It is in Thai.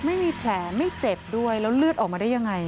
ไม่มีแผลไม่เจ็บด้วยแล้วเลือดออกมาได้ยังไง